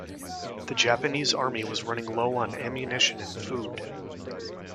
The Japanese Army was running low on ammunition and food.